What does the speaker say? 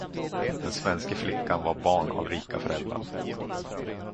Den svenska flickan var barn av rika föräldrar.